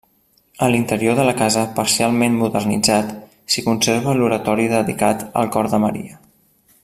A l'interior de la casa, parcialment modernitzat, s'hi conserva l'oratori dedicat al cor de Maria.